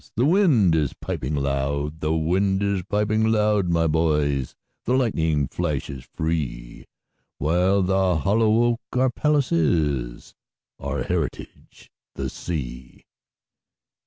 The wind is piping loud; The wind is piping loud, my boys, The lightning flashes free—While the hollow oak our palace is, Our heritage the sea.